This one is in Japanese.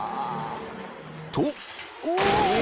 ［と］